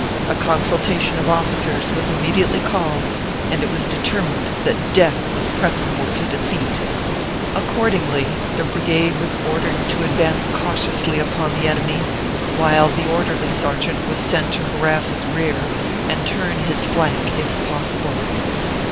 A con sultation of officers was immediately called, and it was determined that death was preferable to defeat. Accordingly, the brigade was ordered to advance cau tiously upon the enemy, while the orderly sergeant was sent to harass his rear, and turn his flank, if pos sible.